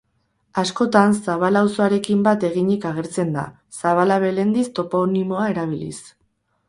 Askotan Zabala auzoarekin bat eginik agertzen da, Zabala-Belendiz toponimoa erabiliz.